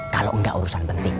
kalo gak urusan penting